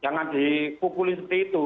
ya jangan dipukulin seperti itu